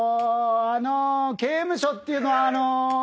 あの刑務所っていうのはあの。